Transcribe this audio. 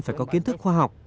phải có kiến thức khoa học